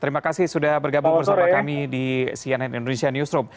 terima kasih sudah bergabung bersama kami di cnn indonesia newsroom